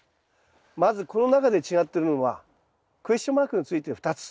まずこの中で違ってるのはクエスチョンマークのついてる２つ。